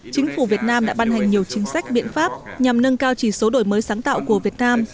chính phủ việt nam đã ban hành nhiều chính sách biện pháp nhằm nâng cao chỉ số đổi mới sáng tạo của việt nam